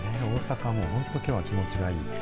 大阪府、きょうは気持ちがいい。